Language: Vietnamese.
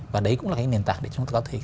và đấy cũng là cái nền tảng để chúng ta có thể